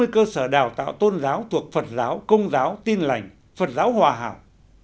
sáu mươi cơ sở đào tạo tôn giáo thuộc phật giáo công giáo tin lành phật giáo hòa hảo